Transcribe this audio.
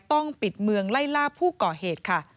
ต้องปิดเมืองไล่ล่าผู้ก่อเหตุค่ะ